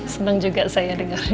seneng juga saya dengarnya